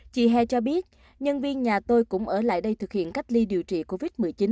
chị he cho biết nhân viên nhà tôi cũng ở lại đây thực hiện cách ly điều trị covid một mươi chín